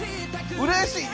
うれしい。